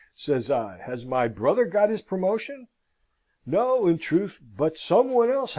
says I. "Has my brother got his promotion?" "No, in truth: but some one else has. Huzzay!